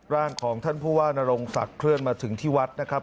ร่างของท่านผู้ว่านรงศักดิ์เคลื่อนมาถึงที่วัดนะครับ